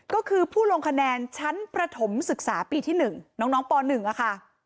ก็คือผู้ลงคะแนนชั้นประถมศึกษาปีที่๑น้องป๑ค่ะ